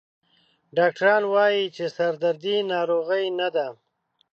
ډاکټران وایي چې سردردي ناروغي نه ده.